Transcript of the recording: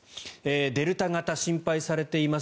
デルタ型、心配されています。